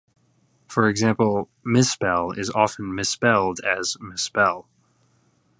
For example, "misspell" is often misspelled as "mispell".